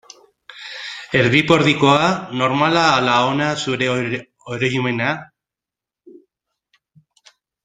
Erdipurdikoa, normala ala ona da zure oroimena?